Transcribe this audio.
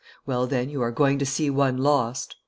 'Well, then, you are going to see one lost.